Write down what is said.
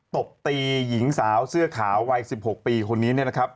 ตบตีหญิงสาวเสื้อขาววัย๑๖ปีคนนี้เนี่ยนะครับ